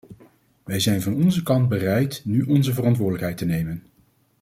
Wij zijn van onze kant bereid nu onze verantwoordelijkheid te nemen.